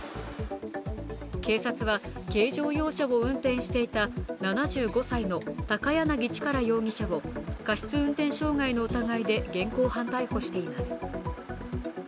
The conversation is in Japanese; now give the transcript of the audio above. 警察は軽乗用車を運転していた７５歳の高柳力容疑者を過失運転傷害の疑いで現行犯逮捕しています。